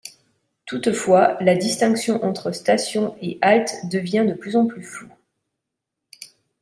Toutefois, la distinction entre station et halte devient de plus en plus floue.